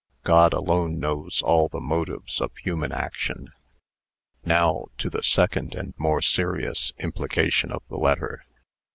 God alone knows all the motives of human action. Now, to the second, and more serious implication of the letter.